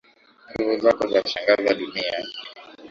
Nguvu zako zashangaza dunia.